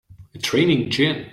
It's raining gin!